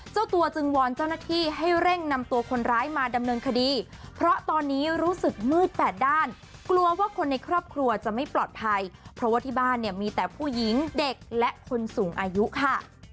เจ้าตัวจึงวอนเจ้าหน้าที่ให้เร่งนำตัวคนร้ายมาดำเนินคดีเพราะตอนนี้รู้สึกมืดแปดด้านกลัวว่าคนในครอบครัวจะไม่ปลอดภัยเพราะว่าที่บ้านเนี่ยมีแต่ผู้หญิงเด็กและคนสูงอายุค่ะ